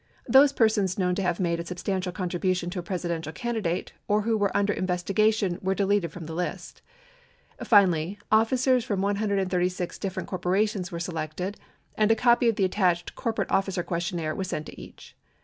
Those per sons known to have made a substantial contribution to a Presidential candidate or who were under investigation were deleted from the list. Finally, officers from 136 different corporations were selected and a copy of the attached corporate officer questionnaire was sent to each.